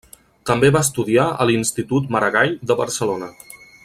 També va estudiar a l'Institut Maragall de Barcelona.